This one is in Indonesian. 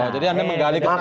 jadi anda menggali ke depan